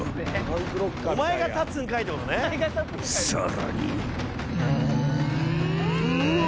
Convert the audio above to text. ［さらに］